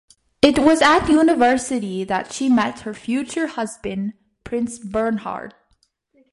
It was at university that she met her future husband, Prince Bernhard.